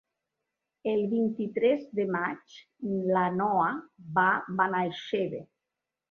El vint-i-tres de maig na Noa va a Benaixeve.